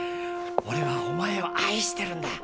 オレはおまえを愛してるんだ。